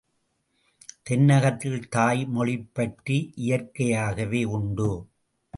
தென்னகத்தில் தாய்மொழிப்பற்று இயற்கையாகவே உண்டு.